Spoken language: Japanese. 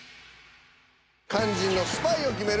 肝心のスパイを決める